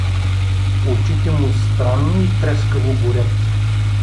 Очите му странно и трескаво горят.